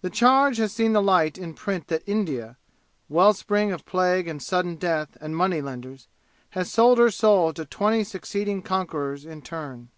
The charge has seen the light in print that India well spring of plague and sudden death and money lenders has sold her soul to twenty succeeding conquerors in turn.